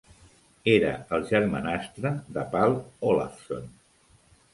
Era el germanastre de Páll Ólafsson.